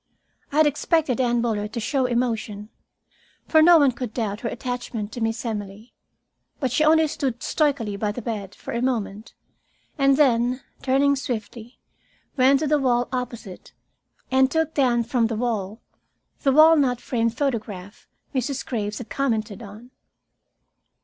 I had expected Anne Bullard to show emotion, for no one could doubt her attachment to Miss Emily. But she only stood stoically by the bed for a moment and then, turning swiftly, went to the wall opposite and took down from the wall the walnut framed photograph Mrs. Graves had commented on.